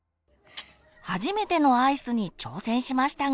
初めてのアイスに挑戦しましたが。